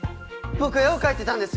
僕絵を描いてたんです！